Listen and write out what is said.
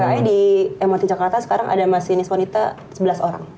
makanya di mrt jakarta sekarang ada masinis wanita sebelas orang